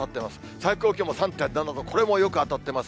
最高気温も３．７度、これもよく当たってます。